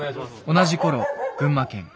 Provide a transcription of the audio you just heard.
同じころ群馬県。